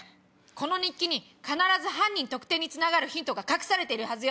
この日記に必ず犯人特定につながるヒントが隠されてるはず。